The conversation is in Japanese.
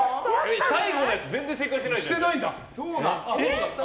最後のやつ全然正解してないじゃん。